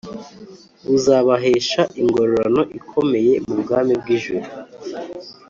buzabahesha ingororano ikomeye mubwami bwijuru